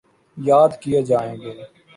یاد کیے جائیں گے۔